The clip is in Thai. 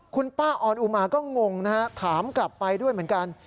คุณป้าออนอุมาก็งงนะฮะถามกลับไปด้วยเหมือนกัน